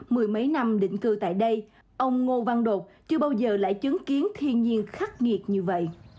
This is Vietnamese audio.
mười mấy năm định cư tại đây ông ngô văn đột chưa bao giờ lại chứng kiến thiên nhiên khắc nghiệt như vậy